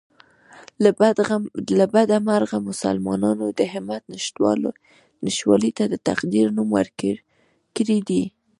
له بده مرغه مسلمانانو د همت نشتوالي ته د تقدیر نوم ورکړی دی